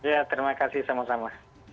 ya terima kasih sama sama